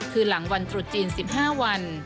คือหลังวันตรุษจีน๑๕วัน